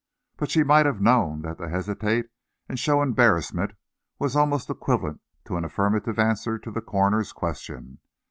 But she might have known that to hesitate and show embarrassment was almost equivalent to an affirmative answer to the coroner's question.